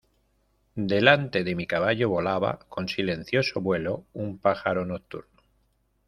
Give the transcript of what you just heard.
delante de mi caballo volaba, con silencioso vuelo , un pájaro nocturno: